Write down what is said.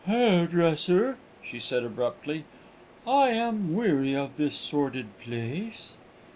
"Hairdresser," she said abruptly, "I am weary of this sordid place."